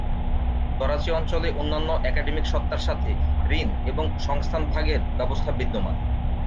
করাচি অঞ্চলে অন্যান্য একাডেমিক সত্তার সাথে ঋণ এবং সংস্থান ভাগের ব্যবস্থা বিদ্যমান।